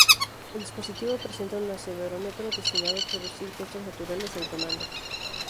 El dispositivo presenta un acelerómetro destinado a traducir gestos naturales en comandos.